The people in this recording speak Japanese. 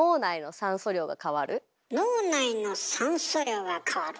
脳内の酸素量が変わる。